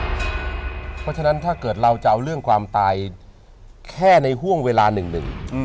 เพราะฉะนั้นถ้าเกิดเราจะเอาเรื่องความตายแค่ในห่วงเวลาหนึ่ง